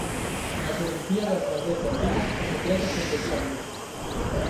Nas Olimpíadas da Grecia antiga, os atletas competían nús.